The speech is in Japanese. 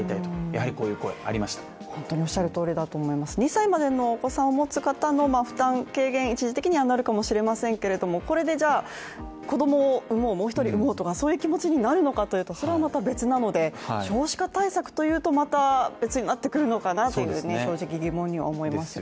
２歳までのお子さんを持つ方の負担軽減、一時的にはなるかもしれませんけれどもこれでじゃあ、子供を産もう、もう一人産もうと、そういう気持ちになるかっていうとそれはまた別なので少子化対策というと、また別になってくるのかなと、正直、疑問には思います。